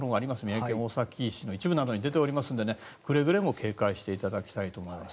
宮城県大崎市の一部などに出ていますのでくれぐれも警戒していただきたいと思います。